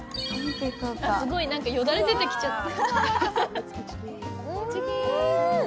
すごい、よだれ出てきちゃった。